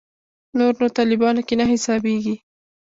نور نو طالبانو کې نه حسابېږي.